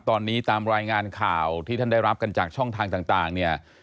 ตอนนี้ตามรายงานข่าวที่ท่านได้รับกันจากช่องทางต่างเนี่ย